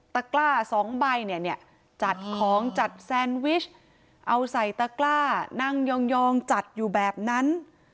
กล้าสองใบเนี่ยเนี่ยจัดของจัดแซนวิชเอาใส่ตะกล้านั่งยองจัดอยู่แบบนั้น